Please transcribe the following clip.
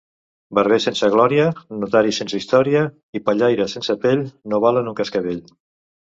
Barber sense glòria, notari sense història i pellaire sense pell no valen un cascavell.